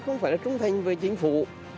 không phải là trung thành với chính phủ